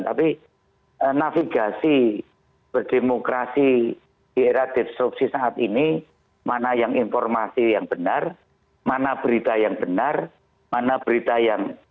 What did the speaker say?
tapi navigasi berdemokrasi di era destruksi saat ini mana yang informasi yang benar mana berita yang benar mana berita yang